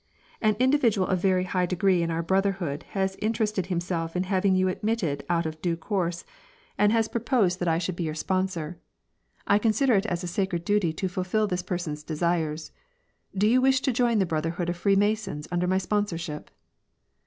" An in dividual of very high degree in our brotherhood has inter ested himself in having you admitted out of due course, and 76 WAR AND PEACE. has proposed that I should be your sponsor. I consider it as a sacred duty to fulfil this person's desires. Do you wish to join the brotherhood of Freemasons under my sponsorship